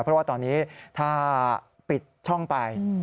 เพราะว่าตอนนี้ถ้าปิดช่องไป